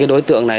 cái đối tượng này